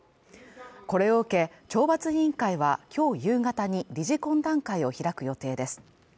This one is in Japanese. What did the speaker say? これを受け、懲罰委員会は今日夕方に理事懇談会を開く予定です。